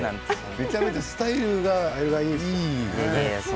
めちゃめちゃスタイルがいい。